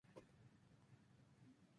Es bastante delgada y laxa.